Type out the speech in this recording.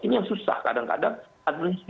ini yang susah kadang kadang administrasi